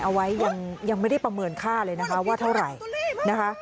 เอาไว้ยังไม่ได้ประเมินค่าเลยนะคะว่าเท่าไหร่นะคะ